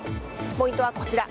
ポイントはこちら。